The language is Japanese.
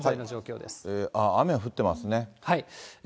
雨は降ってますね。